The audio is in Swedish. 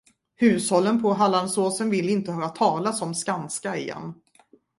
Hushållen på Hallandsåsen vill inte höra talas om Skanska igen.